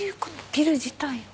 ビル自体を？